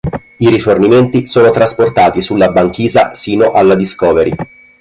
I rifornimenti sono trasportati sulla banchisa sino alla "Discovery".